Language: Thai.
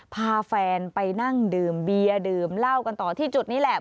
พาแฟนไปนั่งดื่มเบียร์ดื่มเหล้ากันต่อที่จุดนี้แหละ